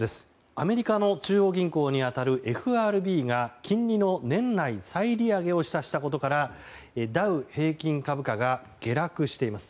アメリカの中央銀行に当たるＦＲＢが金利の年内再利上げを示唆したことからダウ平均株価が下落しています。